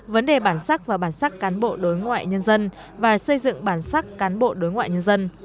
vấn đề bản sắc và bản sắc cán bộ đối ngoại nhân dân và xây dựng bản sắc cán bộ đối ngoại nhân dân